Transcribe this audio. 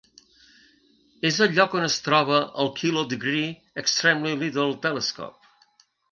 És el lloc on es troba el Kilodegree Extremely Little Telescope.